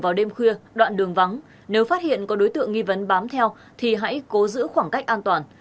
vào đêm khuya đoạn đường vắng nếu phát hiện có đối tượng nghi vấn bám theo thì hãy cố giữ khoảng cách an toàn